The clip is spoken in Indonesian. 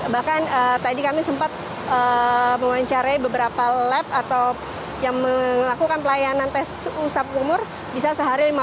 bahkan tadi kami sempat memancari beberapa lab yang melakukan pelayanan tes usap kumur bisa sehari lima puluh